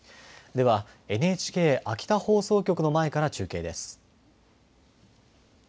ではＮＨＫ秋田放送局の前から中継です。